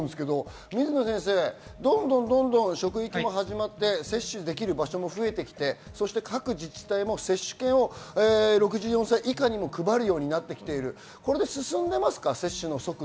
水野先生、職域も始まって接種できる場所も増えてきて、各自治体も接種券を６４歳以下にも配るようになってきています。